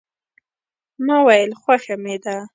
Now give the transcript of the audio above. ما ویل خوښه مې ده.